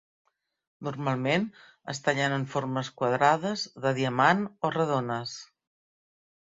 Normalment es tallen en formes quadrades, de diamant o redones.